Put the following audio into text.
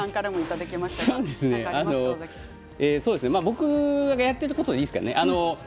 僕がやってることでいいですかね。